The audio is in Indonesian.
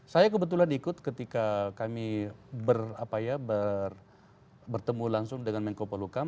saya kebetulan ikut ketika kami bertemu langsung dengan menko polhukam